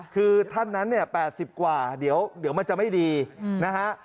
คือท่านนั้นเนี่ย๘๐กว่าเดี๋ยวมันจะไม่ดีนะฮะ